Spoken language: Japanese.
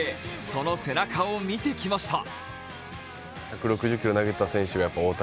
その背中を見てきました。